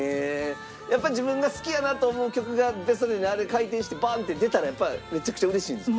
やっぱり自分が好きやなと思う曲があってそれであれ回転してバンッて出たらやっぱりめちゃくちゃ嬉しいんですか？